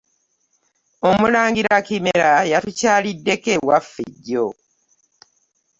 Omulangira Kimera yatukyaliddeko ewaffe jjo.